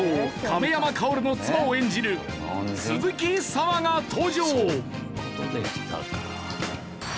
亀山薫の妻を演じる鈴木砂羽が登場！